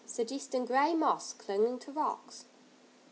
Suggesting gray moss clinging to rocks.